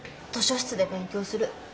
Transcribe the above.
図書室で勉強する。